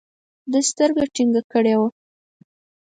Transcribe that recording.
ده سترګه ټينګه کړې وه.